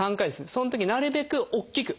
そのときなるべく大きく。